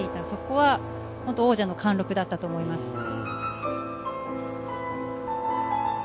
そこは王者の貫禄だったと思います。